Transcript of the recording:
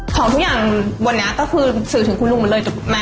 ของทุกอย่างวันนี้ก็คือสื่อถึงคุณลุงหมดเลย